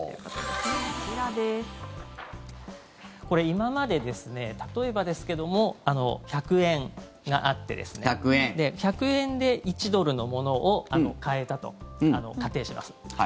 これ、今まで例えばですけど１００円があって１００円で１ドルのものを買えたと仮定します。